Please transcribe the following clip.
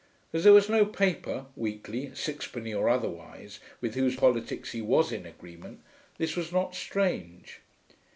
As there was no paper, weekly, sixpenny or otherwise, with whose politics he was in agreement, this was not strange.